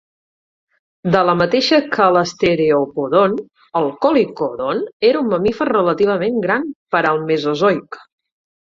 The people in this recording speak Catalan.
De la mateixa que l'Stereopodon, el Kollikodon era un mamífer relativament gran per al mesozoic.